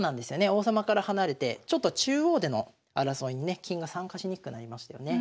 王様から離れてちょっと中央での争いにね金が参加しにくくなりましたよね。